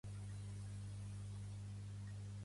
La guerra és gloriosa, al capdavall